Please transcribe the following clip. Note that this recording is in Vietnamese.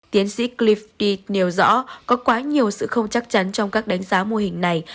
tiến sĩ clift nêu rõ có quá nhiều sự không chắc chắn trong các đánh giá mô hình này